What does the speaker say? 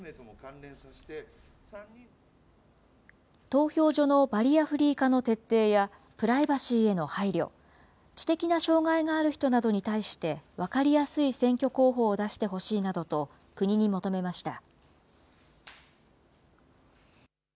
投票所のバリアフリー化の徹底や、プライバシーへの配慮、知的な障害がある人に対して、分かりやすい選挙公報を出してほしいなどと、国に求めました。